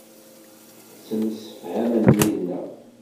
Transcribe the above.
Ttemsefhamen yid-neɣ.